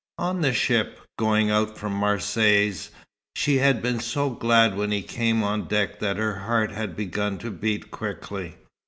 On the ship, going out from Marseilles, she had been so glad when he came on deck that her heart had begun to beat quickly.